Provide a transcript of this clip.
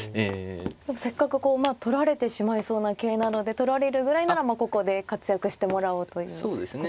せっかくまあ取られてしまいそうな桂なので取られるぐらいならここで活躍してもらおうということですか。